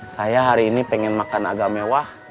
saya hari ini pengen makan agak mewah